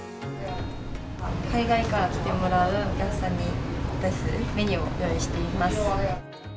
海外から来てもらうお客さんに出すメニューを用意しています。